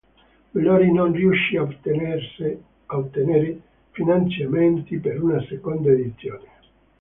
Bellori non riuscì a ottenere finanziamenti per una seconda edizione.